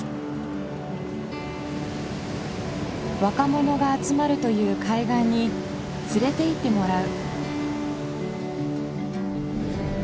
若者が集まるという海岸に連れて行ってもらう。